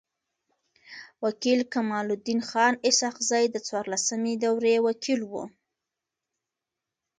و کيل کمال الدین خان اسحق زی د څوارلسمي دوری وکيل وو.